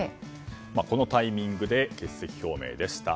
このタイミングで欠席表明でした。